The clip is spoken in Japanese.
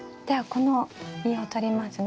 この実をとりますね。